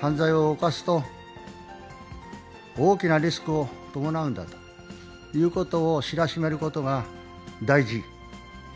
犯罪を犯すと、大きなリスクを伴うんだということを知らしめることが大事。